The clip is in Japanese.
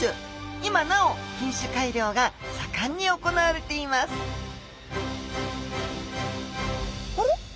今なお品種改良が盛んに行われていますあれ？